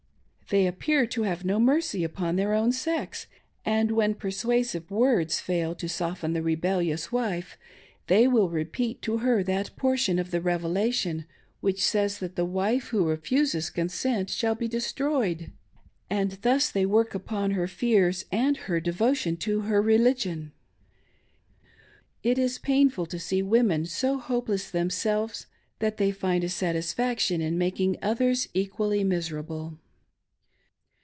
They appear to have no mercy upon their own sex, and when persuasive words fail to soften the " rebellious " wife they will repeat to her that portion of the "Revelation" which says that the wife who refuses consent shall be destroyed ; and thus they work upon her fears aild her devotion to her religion. It is painful to see women so hopeless themselves that they find a satisfaction in making others equally miserable.